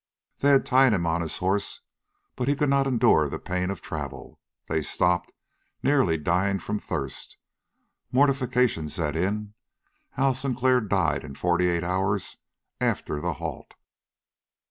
They had tied him on his horse, but he could not endure the pain of travel. They stopped, nearly dying from thirst. Mortification set in. Hal Sinclair died in forty eight hours after the halt.